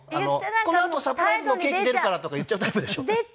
「このあとサプライズのケーキ出るから」とか言っちゃうタイプでしょ？